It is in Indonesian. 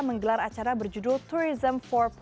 menggelar acara berjudul tourism empat